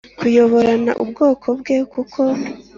kuyoboran ubwoko bwe kuko